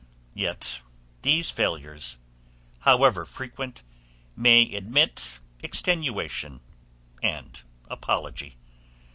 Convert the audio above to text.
Yet these failures, however frequent, may admit extenuation and apology.